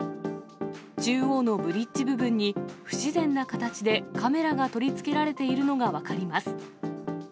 中央のブリッジ部分に不自然な形でカメラが取り付けられているのが分かります。